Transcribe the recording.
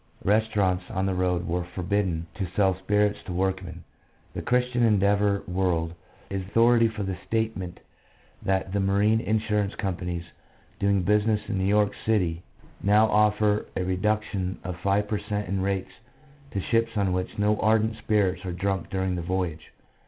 Restaurants on the road were forbidden to sell spirits to workmen. The Cliristian Endeavour World is authority for the statement that the marine insurance companies doing business in New York city now offer a reduction of five per cent, in rates to ships on which no ardent spirits are drunk during the voyage.